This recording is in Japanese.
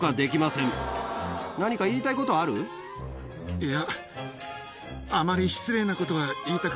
いや。